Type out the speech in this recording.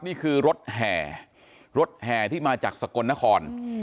นี่คือรถแห่รถแห่ที่มาจากสกลนคร